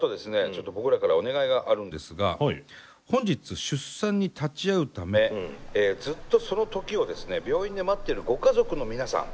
ちょっと僕らからお願いがあるんですが本日出産に立ち会うためずっとその時をですね病院で待っているご家族の皆さん